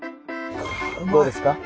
どうですか？